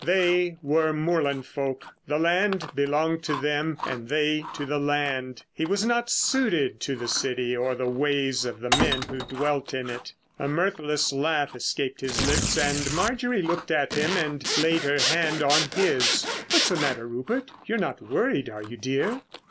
They were moorland folk. The land belonged to them and they to the land. He was not suited to the city or the ways of the men who dwelt in it. A mirthless laugh escaped his lips, and Marjorie looked at him and laid her hand on his. "What's the matter, Rupert? You're not worried, are you, dear."